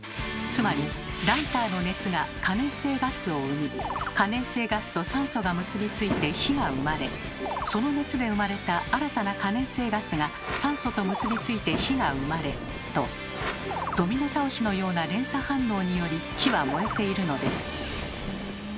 つまりライターの熱が可燃性ガスを生み可燃性ガスと酸素が結びついて火が生まれその熱で生まれた新たな可燃性ガスが酸素と結びついて火が生まれとドミノ倒しのような連鎖反応により火は燃えているのです。